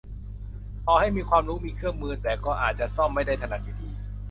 ต่อให้มีความรู้ มีเครื่องมือ แต่ก็อาจจะซ่อมไม่ได้ถนัดอยู่ดี